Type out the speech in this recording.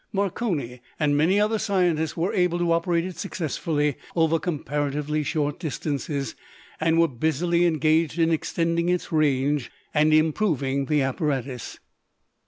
Marconi and many other scientists were able to operate it successfully over comparatively short distances, and were busily engaged in extending its range and improving the apparatus.